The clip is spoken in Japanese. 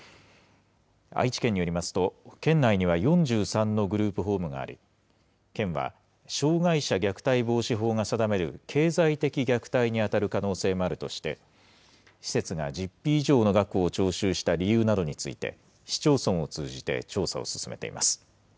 愛知県によりますと、県内には４３のグループホームがあり、県は、障害者虐待防止法が定める経済的虐待に当たる可能性もあるとして、施設が実費以上の額を徴収した理由などについて、市町村を通じて調査を進めています。